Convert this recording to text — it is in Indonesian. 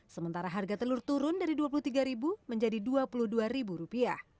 sementara harga telur turun dari rp dua puluh tiga menjadi rp dua puluh dua